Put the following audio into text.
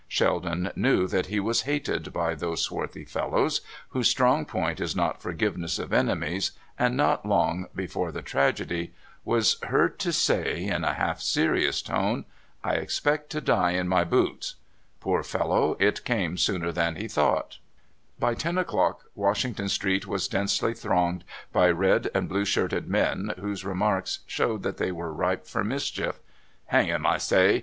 Sheldon knew that he was hated by those swarthy fellows whose strong point is not forgiveness of enemies, and not long before the tragedy was heard to say, in a half serious tone :" I expect to die in my boots." Poor fellow! it came sooner than he thought. C5 " The first man that touches that jail door dies^^ MY FIRST SUNDAY IN THE MINES. 9 By ten o'clock Washington Street was densely thronged by red and blue shirted men, whose re marks showed that they were ripe for mischief. "Hang him, I say!